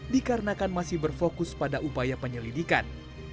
dikarenakan masih berfokus pada upaya penyelidikan